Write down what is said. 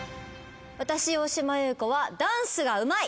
私大島優子はダンスがうまい。